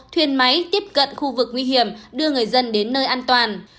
thuyền máy tiếp cận khu vực nguy hiểm đưa người dân đến nơi an toàn